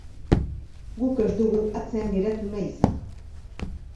Guk ez dugu atzean geratu nahi izan.